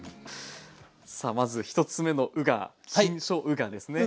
さあまず１つ目のうが新しょうがですね。